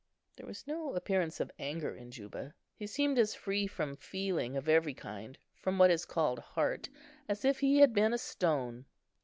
There was no appearance of anger in Juba; he seemed as free from feeling of every kind, from what is called heart, as if he had been a stone.